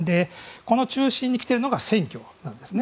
この中心に来ているのが選挙なんですね。